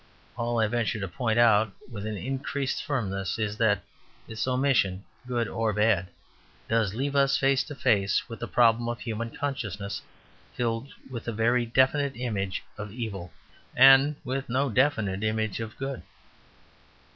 All I venture to point out, with an increased firmness, is that this omission, good or bad, does leave us face to face with the problem of a human consciousness filled with very definite images of evil, and with no definite image of good.